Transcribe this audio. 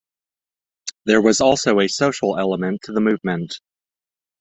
There was also a social element to the movement.